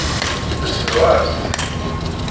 Tesbeɣ-as-t.